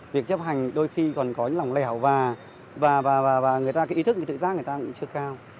việc chấp hành đôi khi còn có lòng lẻo và ý thức tự giác người ta cũng chưa cao